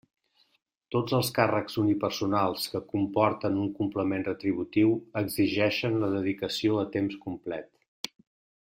Tots els càrrecs unipersonals que comporten un complement retributiu exigeixen la dedicació a temps complet.